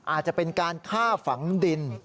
อาจจะเป็นการฆ่าฝังดิน